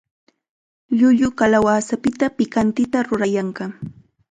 Llullu kalawasapita pikantita rurayanqa.